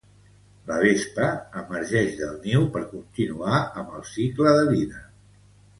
La vespa emergix del niu per continuar amb el cicle de vida.